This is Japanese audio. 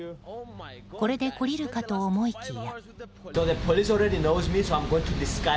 これで懲りるかと思いきや。